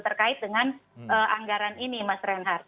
terkait dengan anggaran ini mas reinhardt